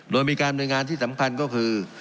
โดยมีการหน่วยงานที่สำคัญก็คือ